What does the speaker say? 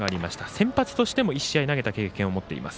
先発としても、１試合投げた経験を持っています。